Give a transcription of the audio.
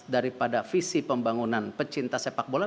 daripada visi pembangunan pecinta sepak bola